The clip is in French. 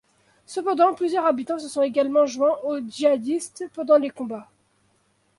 Cependant plusieurs habitants se sont également joint aux djihadistes pendant les combats.